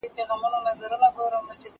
ايا ته ليکلي پاڼي ترتيب کوې،